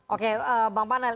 oke bang panel